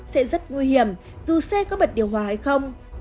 sẽ rất nguy hiểm dù xe có bật điều hòa hay không